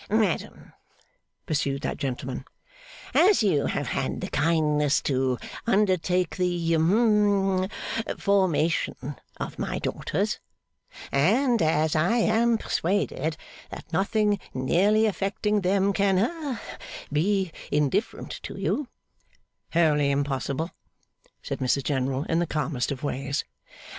'Madam,' pursued that gentleman, 'as you have had the kindness to undertake the hum formation of my daughters, and as I am persuaded that nothing nearly affecting them can ha be indifferent to you ' 'Wholly impossible,' said Mrs General in the calmest of ways.